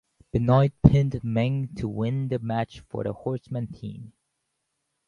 Benoit pinned Meng to win the match for the Horsemen team.